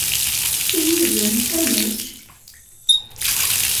I yid-m, amek?